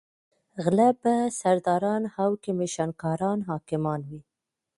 غله به سرداران او کمېشن کاران حاکمان وي.